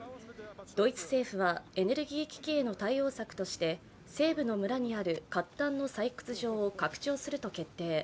ドイツ政府は、エネルギー危機への対応策として西部の村にある褐炭の採掘場を拡張すると決定。